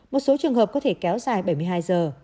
một số trường hợp có thể kéo dài bảy mươi hai giờ